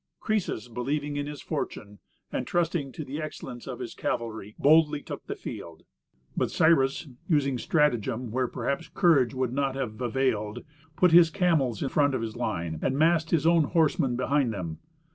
Croesus, believing in his fortune, and trusting to the excellence of his cavalry, boldly took the field; but Cyrus, using stratagem where perhaps courage would not have availed, put his camels in front of his line, and massed his own horsemen behind them.